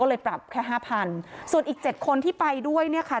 เลยปรับแค่ห้าพันส่วนอีกเจ็ดคนที่ไปด้วยเนี่ยค่ะ